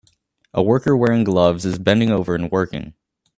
A worker wearing gloves is bending over and working